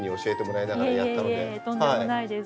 とんでもないです。